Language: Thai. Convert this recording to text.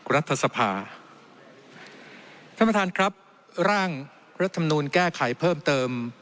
รัฐสภาท่านประธานครับร่างรัฐมนูลแก้ไขเพิ่มเติม